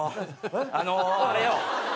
あのあれよ。